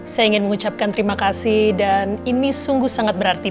saya ingin mengucapkan terima kasih dan ini sungguh sangat berarti